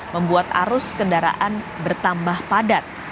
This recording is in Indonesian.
membuat arus kendaraan bertambah padat